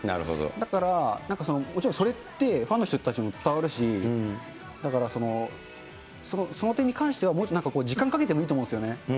だから、なんか、もちろんそれって、ファンの人たちにも伝わるし、だから、その点に関しては、時間かけてもいいと思うんですよね。